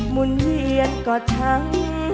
หมุนเยียนก็ทั้ง